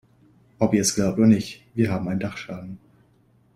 Ob ihr es glaubt oder nicht, wir haben einen Dachschaden.